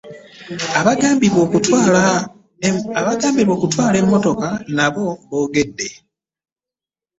Abagambibwa okutwala emmotoka nabo bogedde.